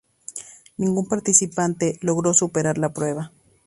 Ningún participante logró superar la prueba.